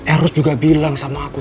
erus juga bilang sama aku